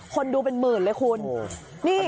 คนดูเป็นหมื่นเลยคุณ